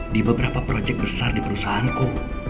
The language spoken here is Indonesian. di beberapa project besar di perusahaanku